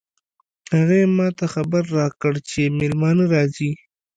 هغې ما ته خبر راکړ چې مېلمانه راځي